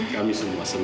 kami semua senang